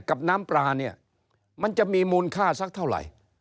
กับน้ำปลาเนี่ยมันจะมีมูลค่าสักเท่าไหร่